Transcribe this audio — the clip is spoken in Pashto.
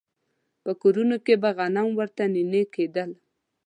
په کورونو کې به غنم ورته نينې کېدل.